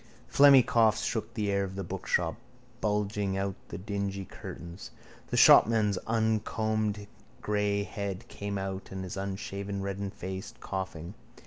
Phlegmy coughs shook the air of the bookshop, bulging out the dingy curtains. The shopman's uncombed grey head came out and his unshaven reddened face, coughing.